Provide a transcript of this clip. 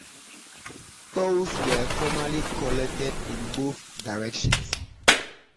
Tolls were formerly collected in both directions.